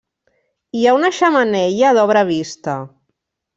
Hi ha una xemeneia d'obra vista.